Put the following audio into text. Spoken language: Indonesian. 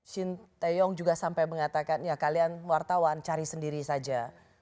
shin taeyong juga sampai mengatakan ya kalian wartawan cari sendiri saja